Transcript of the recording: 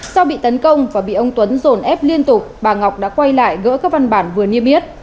sau bị tấn công và bị ông tuấn dồn ép liên tục bà ngọc đã quay lại gỡ các văn bản vừa niêm yết